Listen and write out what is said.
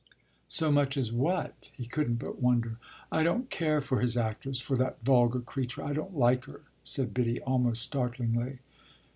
"So much as what?" He couldn't but wonder. "I don't care for his actress for that vulgar creature. I don't like her!" said Biddy almost startlingly.